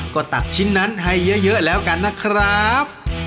ก็ตักชิ้นนั้นให้เยอะแล้วกันนะครับ